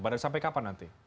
padahal sampai kapan nanti